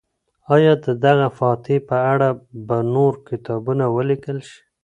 آیا د دغه فاتح په اړه به نور کتابونه ولیکل شي؟